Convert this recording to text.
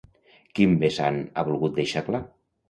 Quin vessant ha volgut deixar clar?